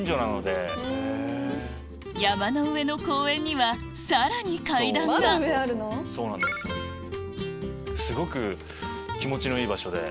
山の上の公園にはさらに階段がすごく気持ちのいい場所で。